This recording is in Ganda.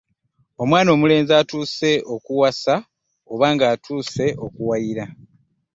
Omwana omulenzi atuuse okuwasa oba ng'atuuse okuwayira.